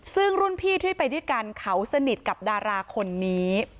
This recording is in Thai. ซึ่งรุ่นพี่ที่ไปด้วยกันเขาสนิทกับดาราคนนี้